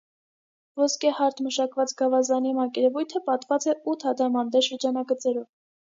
Ոսկե հարթ մշակված գավազանի մակերևույթը պատված է ութ ադամանդե շրջանագծերով։